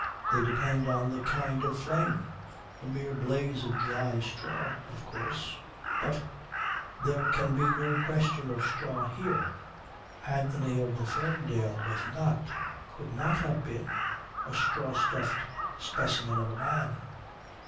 They depend on the kind of flame. A mere blaze of dry straw, of course ... but there can be no question of straw there. Anthony of the Ferndale was not, could not have been, a straw stuffed specimen of a man.